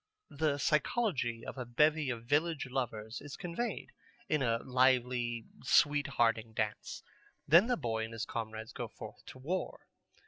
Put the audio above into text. The psychology of a bevy of village lovers is conveyed in a lively sweet hearting dance. Then the boy and his comrades go forth to war.